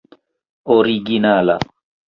originala